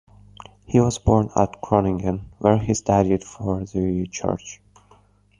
He was born at Groningen, where he studied for the church.